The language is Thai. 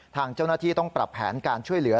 ทางเจ้าหน้าที่ต้องปรับแผนการช่วยเหลือ